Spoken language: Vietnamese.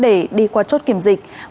để đi qua chốt kiểm dịch